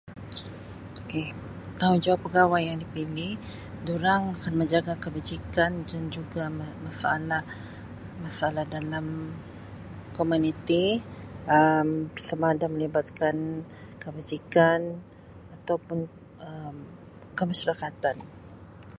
Okay, tanggungjawab pegawai yang dipilih, durang akan menjaga kebajikan dan juga masalah-masalah dalam komuniti Um sama ada melibatkan kebajikan atau pun kemasyarakatan.